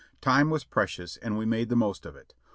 Time was precious and we made the most of it.